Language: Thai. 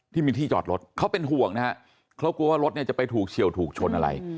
ที่มีที่จอดรถเขาเป็นห่วงนะฮะเขากลัวว่ารถเนี่ยจะไปถูกเฉียวถูกชนอะไร